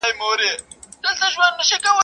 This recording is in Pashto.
o زړه پر زړه دئ.